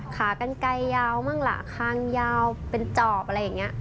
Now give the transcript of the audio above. ขากันไกลยาวบ้างล่ะคางยาวเป็นจอบอะไรอย่างนี้